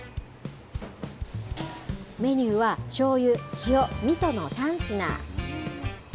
メニューは、しょうゆ、塩、みその３品。